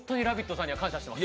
さんには感謝してます。